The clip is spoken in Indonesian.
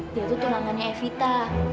dia tuh tulangannya evita